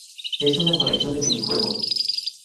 Es una colección de minijuegos.